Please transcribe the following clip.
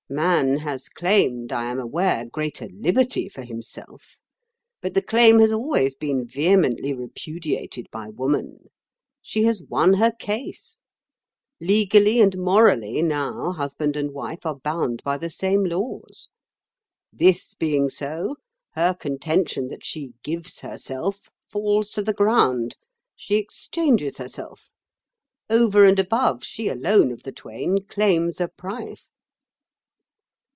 Man has claimed, I am aware, greater liberty for himself; but the claim has always been vehemently repudiated by woman. She has won her case. Legally and morally now husband and wife are bound by the same laws. This being so, her contention that she gives herself falls to the ground. She exchanges herself. Over and above, she alone of the twain claims a price."